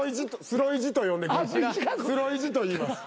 『スロイジ』といいます。